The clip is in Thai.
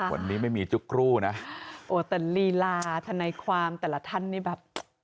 วันนี้ไม่มีจุ๊กรูนะโอ้แต่ลีลาทนายความแต่ละท่านนี่แบบ